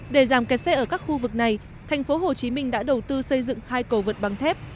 để giảm kẹt xe ở các khu vực này thành phố hồ chí minh đã đầu tư xây dựng hai cầu vượt bằng thép